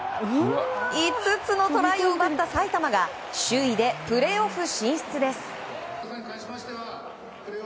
５つのトライを奪った埼玉が首位でプレーオフ進出です。